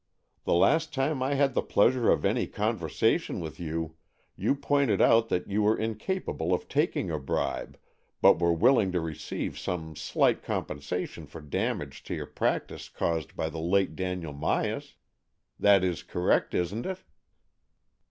The last time I had the pleasure of any conversation with you, you pointed out that you were incapable of taking a bribe, but were willing to receive some slight com pensation for damage to your practice caused by the late Daniel Myas. That is correct, isn't it.?"